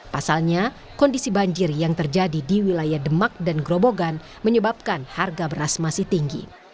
pasalnya kondisi banjir yang terjadi di wilayah demak dan grobogan menyebabkan harga beras masih tinggi